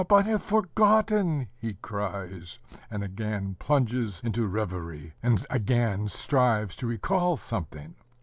I have forgotten," he cries, and again plunges into reverie, and again strives to recall something.